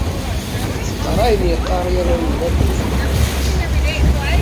Teqqar akken yeqqar yal anelmad deg tneɣrit-is.